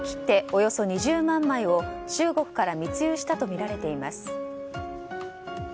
およそ２０万枚を中国から密輸したとみられています。